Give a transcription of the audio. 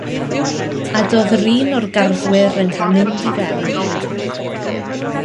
A doedd 'run o'r garddwyr yn cael mynd i fewn.